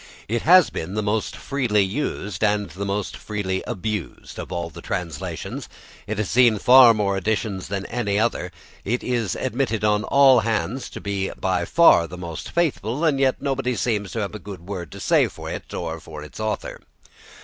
It has been the most freely used and the most freely abused of all the translations. It has seen far more editions than any other, it is admitted on all hands to be by far the most faithful, and yet nobody seems to have a good word to say for it or for its author.